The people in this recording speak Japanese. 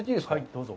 どうぞ。